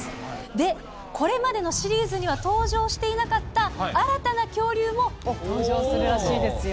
で、これまでのシリーズには登場していなかった、新たな恐竜も登場するらしいですよ。